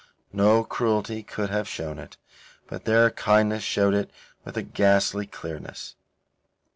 No cruelty could have shown it, but their kindness showed it with a ghastly clearness.